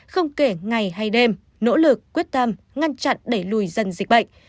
không kể ngày hay đêm nỗ lực quyết tâm ngăn chặn đẩy lùi dần dịch bệnh